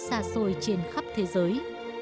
xa xôi trên khắp thế giới